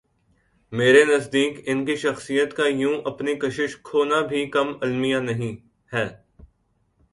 میرے نزدیک ان کی شخصیت کا یوں اپنی کشش کھونا بھی کم المیہ نہیں ہے۔